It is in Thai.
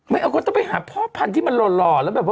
ไม่เอาก็ต้องไปหาพ่อพันธุ์ที่มันหล่อแล้วแบบ